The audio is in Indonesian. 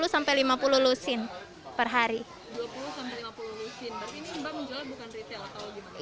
dua puluh lima puluh lusin berarti ini mbak menjualnya bukan retail atau gimana